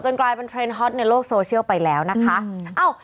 กลายเป็นเทรนด์ฮอตในโลกโซเชียลไปแล้วนะคะ